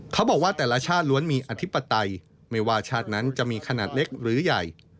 เขาบอกว่าแต่ละชาติล้วนมีอธิปไตยไม่ว่าชาตินั้นจะมีขนาดเล็กหรือใหญ่